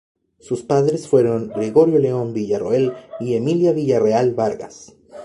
Sus padres fueron Gregorio León Villarroel y Emilia Villarreal Vargas.